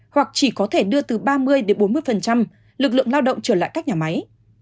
hoặc chỉ có thể đưa từ ba mươi bốn mươi lực lượng lao động trở lại các nhà máy